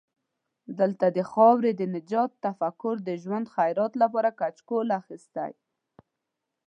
دلته د خاورې د نجات تفکر د ژوند خیرات لپاره کچکول اخستی.